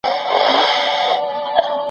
له هندوستان سره زمونږ تجارتي اړیکې اغېزمنې شوې.